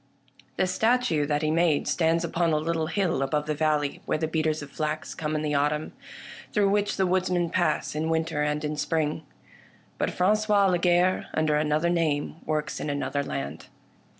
The statue that he made stands upon a little hill above the valley where the beaters of flax come in the autumn, through which the woodsmen pass in winter and in spring. But Frangois Lagarre, under another name, works in another land.